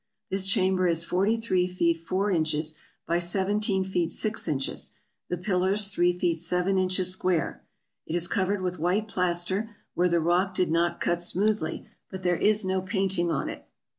This chamber is forty three feet four inches by seventeen feet six inches ; the pillars three feet seven inches square. It is covered with white plaster where the rock did not cut smoothly, but there is no painting on it.